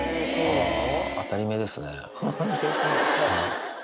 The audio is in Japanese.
あたりめですね。